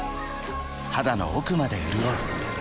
肌の奥まで潤う